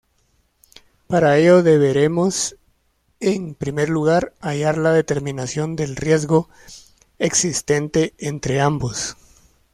Para ello deberemos en primer lugar hallar la determinación del riesgo existente entre ambos.